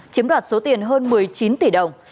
chiếm đoạt số tiền hơn một mươi chín tỷ đồng